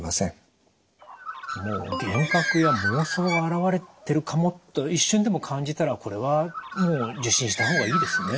もう幻覚や妄想が現れてるかもと一瞬でも感じたらこれはもう受診したほうがいいですね。